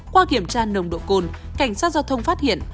qua kiểm tra nồng độ cồn cảnh sát giao thông phát hiện